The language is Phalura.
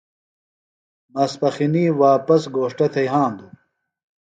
ماسپخِنی واپس گھوݜٹہ تھےۡ یھاندُوۡ۔